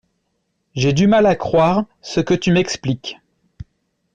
J’ai du mal à croire ce que tu m’expliques.